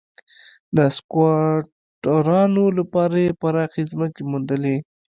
د سکواټورانو لپاره یې پراخې ځمکې وموندلې.